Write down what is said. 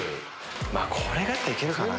まぁこれだったらいけるかな。